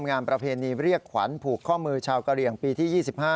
งานประเพณีเรียกขวัญผูกข้อมือชาวกะเหลี่ยงปีที่๒๕